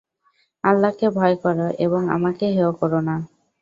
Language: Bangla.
আল্লাহকে ভয় কর এবং আমাকে হেয় করো না।